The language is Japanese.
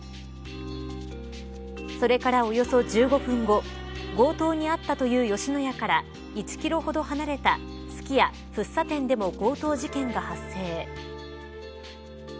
それからおよそ１５分後強盗に遭ったという吉野家から１キロほど離れたすき家、福生店でも強盗事件が発生。